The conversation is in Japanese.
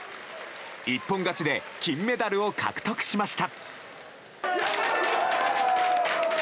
一本勝ちで金メダルを獲得しました。